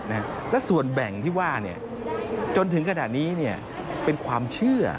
แล้วส่วนแบ่งที่ว่าจนถึงขนาดนี้เป็นความเชื่อ